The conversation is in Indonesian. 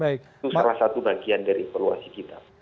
itu salah satu bagian dari evaluasi kita